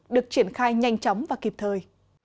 được triển khai nhanh chóng và kịp thời